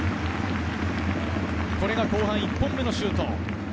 これが後半１本目のシュート。